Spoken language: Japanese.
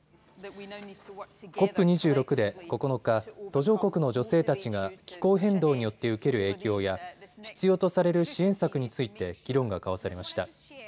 ＣＯＰ２６で９日、途上国の女性たちが気候変動によって受ける影響や必要とされる支援策について議論が交わされました。